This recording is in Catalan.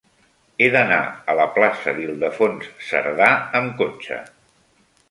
He d'anar a la plaça d'Ildefons Cerdà amb cotxe.